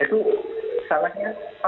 itu kesalahannya pak apa